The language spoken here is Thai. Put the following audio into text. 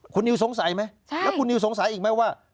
คุณนิวสงสัยไหมแล้วคุณนิวสงสัยอีกไหมว่า